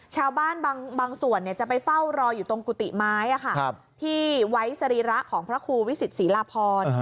ชาวบ้านบางส่วนจะไปเฝ้ารออยู่ตรงกุฏิไม้ที่ไว้สรีระของพระครูวิสิตศรีลาพร